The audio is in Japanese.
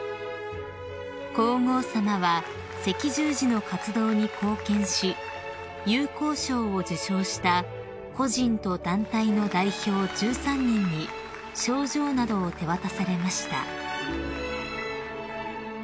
［皇后さまは赤十字の活動に貢献し有功章を受章した個人と団体の代表１３人に賞状などを手渡されました］